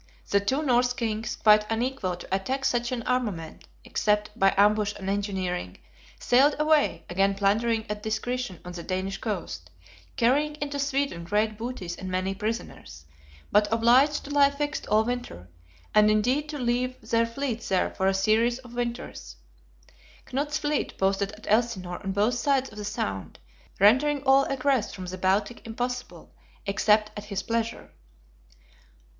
The two Norse kings, quite unequal to attack such an armament, except by ambush and engineering, sailed away; again plundering at discretion on the Danish coast; carrying into Sweden great booties and many prisoners; but obliged to lie fixed all winter; and indeed to leave their fleets there for a series of winters, Knut's fleet, posted at Elsinore on both sides of the Sound, rendering all egress from the Baltic impossible, except at his pleasure.